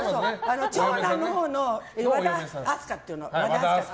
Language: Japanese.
長男のほうの和田明日香っていうの。